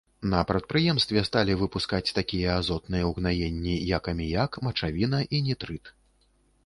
На прадпрыемстве сталі выпускаць такія азотныя ўгнаенні, як аміяк, мачавіна і нітрыт.